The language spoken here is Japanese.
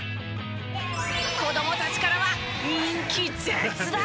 子どもたちからは人気絶大！